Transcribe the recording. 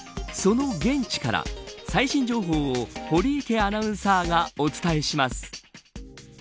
その現地から、最新情報を堀池アナウンサーがお伝えします。